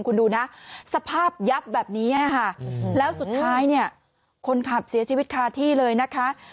คุณดูนะสภาพยับแบบนี้ค่ะแล้วสุดท้ายเนี่ยคนขับเสียชีวิตคาที่เลยนะคะ